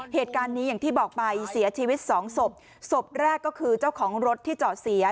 เหตุการณ์นี้อย่างที่บอกไปเสียชีวิตสองศพศพแรกก็คือเจ้าของรถที่จอดเสีย